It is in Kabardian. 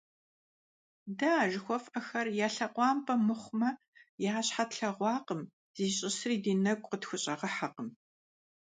Дэ а жыхуэфӀэхэм я лъэкъуампӀэ мыхъумэ, я щхьэ тлъэгъуакъым, зищӀысри ди нэгу къытхущӀэгъэхьэкъым.